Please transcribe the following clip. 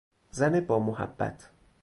زن با محبت